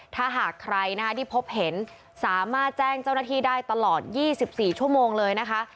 ถ้าหากใครที่พบเห็นสามารถแจ้งเจ้าหน้าที่ได้ตลอด๒๔ชั่วโมงเลยนะคะ